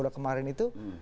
di bola kemarin itu